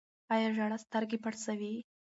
آیا ژړا سترګې پړسوي؟